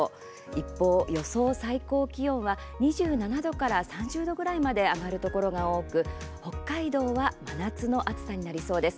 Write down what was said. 一方、予想最高気温は２７度から３０度くらいまで上がるところが多く北海道は真夏の暑さになりそうです。